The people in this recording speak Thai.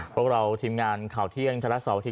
พวกเราทีมงานข่าวเที่ยงไทยรัฐเสาร์อาทิต